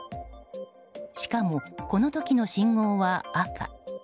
しかも、この時の信号は赤。